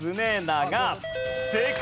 正解。